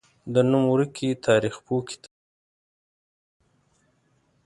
د نوم ورکي تاریخپوه کتاب تر لاسه کړم.